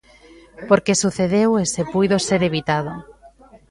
Por que sucedeu e se puido ser evitado.